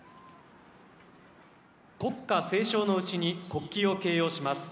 国歌斉唱のうちに国旗を掲揚します。